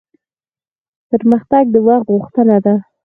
پرمختګ د وخت غوښتنه ده